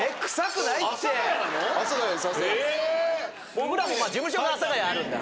僕らもまあ事務所が阿佐ヶ谷にあるんで。